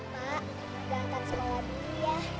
pak datang sekolah dulu ya